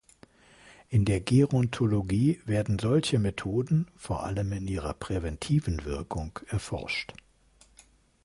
In der Gerontologie werden solche Methoden, vor allem in ihrer präventiven Wirkung, erforscht.